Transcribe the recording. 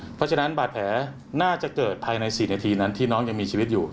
เพราะฉะนั้นบาดแผลน่าจะเกิดภายใน๔นาทีนั้นที่น้องยังมีชีวิตอยู่